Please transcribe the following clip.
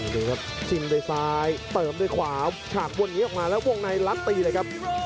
ดูครับจิ้มด้วยซ้ายเติมด้วยขวาฉากบนนี้ออกมาแล้ววงในลัดตีเลยครับ